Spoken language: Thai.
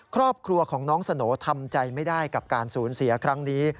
ครอบครัวของน้องสโหน่ทำใจไม่ได้กับการสูญเสียครั้งนี้